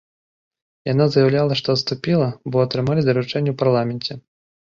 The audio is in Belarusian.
Яна заяўляла, што адступіла, бо атрымалі даручэнне ў парламенце.